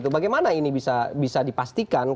bagaimana ini bisa dipastikan